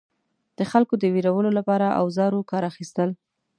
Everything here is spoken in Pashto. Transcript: د خلکو د ویرولو لپاره اوزارو کار اخیستل.